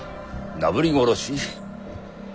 なぶり殺し？